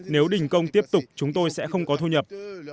nếu đình công tiếp tục chúng tôi sẽ không có thu nhập